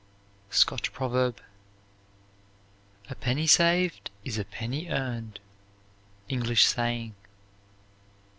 SCOTCH PROVERB. "A penny saved is a penny earned." ENGLISH SAYING.